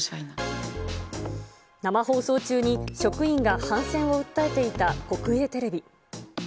生放送中に、職員が反戦を訴えていた国営テレビ。